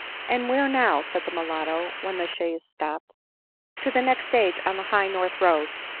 " And where now ?" said the mulatto, when the chaise stopped. " To the next stage on the high north road."